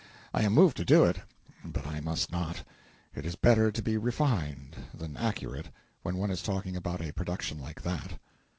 I am moved to do it, but I must not: it is better to be refined than accurate when one is talking about a production like that.